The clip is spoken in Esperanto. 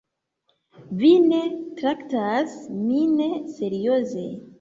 Vi ne traktas min serioze.